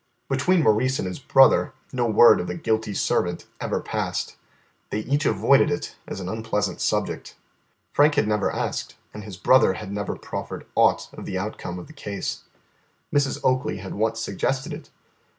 Between Maurice and his brother no word of the guilty servant ever passed. They each avoided it as an unpleasant subject. Frank had never asked and his brother had never proffered aught of the outcome of the case. Mrs. Oakley had once suggested it.